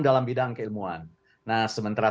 dalam bidang keilmuan nah sementara